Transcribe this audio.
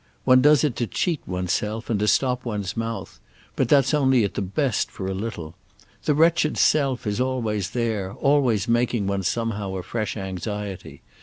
One does it to cheat one's self and to stop one's mouth—but that's only at the best for a little. The wretched self is always there, always making one somehow a fresh anxiety.